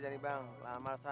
eh yang punya tv be